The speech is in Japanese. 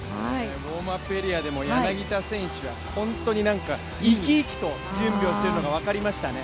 ウォームアップエリアでも柳田選手は本当に生き生きと準備しているのが分かりましたね。